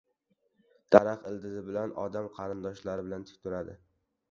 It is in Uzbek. • Daraxt ildizi bilan, odam qarindoshlari bilan tik turadi.